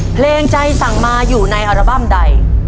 เพลงใจสั่งมาอยู่ในอัลบั้มใด